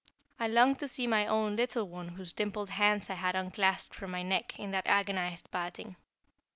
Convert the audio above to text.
I longed to see my own little one whose dimpled hands I had unclasped from my neck in that agonized parting.